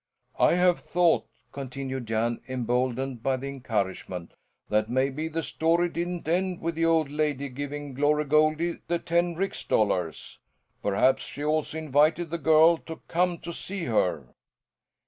"I have thought," continued Jan, emboldened by the encouragement, "that maybe the story didn't end with the old lady giving Glory Goldie the ten rix dollars. Perhaps she also invited the girl to come to see her?"